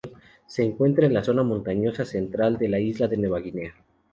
Se encuentra en la zona montañosa central de la isla de Nueva Guinea.